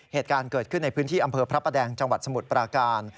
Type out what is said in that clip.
เหตุการณ์เกิดขึ้นในพื้นที่อำเภอพระประแดงจังหวัดสมุทรปราการ